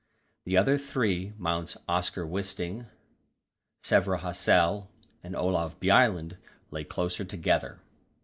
The other three Mounts Oscar Wisting, Sverre Hassel, and Olav Bjaaland lay closer together.